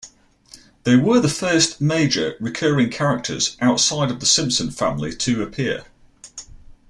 They were the first major recurring characters outside of the Simpson family to appear.